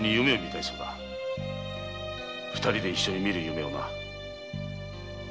二人で一緒に見る夢をな。